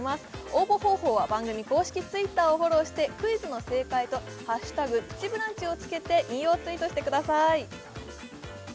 応募方法は番組公式Ｔｗｉｔｔｅｒをフォローしてクイズの正解と「＃プチブランチ」をつけて引用ツイートしてください